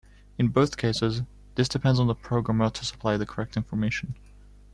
In both cases, this depends on the programmer to supply the correct information.